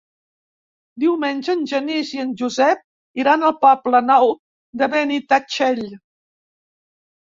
Diumenge en Genís i en Josep iran al Poble Nou de Benitatxell.